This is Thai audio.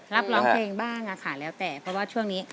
ร้องเพลงบ้างค่ะแล้วแต่เพราะว่าช่วงนี้